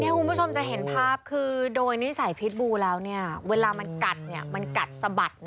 คุณผู้ชมจะเห็นภาพคือโดยนิสัยพิษบูแล้วเนี่ยเวลามันกัดมันกัดสะบัดนะ